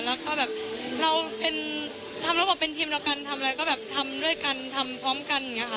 แล้วก็เราทำระบบเป็นทีมเหล่ากันทำด้วยกันทำพร้อมกัน